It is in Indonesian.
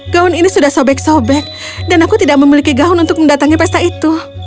gaun ini sudah sobek sobek dan aku tidak memiliki gaun untuk mendatangi pesta itu